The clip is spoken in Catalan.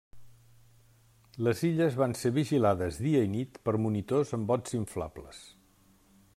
Les illes van ser vigilades dia i nit per monitors en bots inflables.